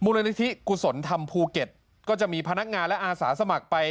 ละนิธิกุศลธรรมภูเก็ตก็จะมีพนักงานและอาสาสมัครไป